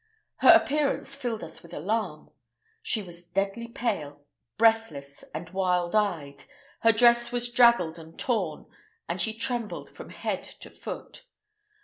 Her appearance filled us with alarm. She was deadly pale, breathless, and wild eyed; her dress was draggled and torn, and she trembled from head to foot.